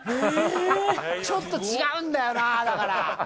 えー、ちょっと違うんだよな、だから。